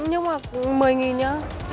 nhưng mà một mươi nghìn nhá